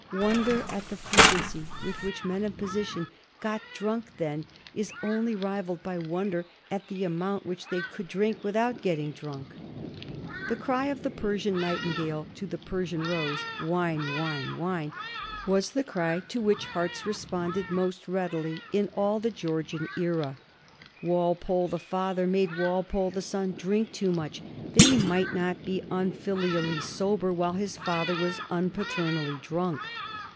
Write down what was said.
Wonder at the frequency with which men of position got drunk then is only rivalled by wonder at the amount which they could drink without getting drunk. [Sidenote: 1761 Unpropitious time for the King's rule] The cry of the Persian nightingale to the Persian rose, "wine, wine, wine," was the cry to which hearts responded most readily in all the Georgian era. Walpole the father made Walpole the son drink too much, that he might not be unfilially sober while his father was unpaternally drunk.